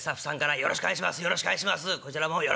よろしくお願いします。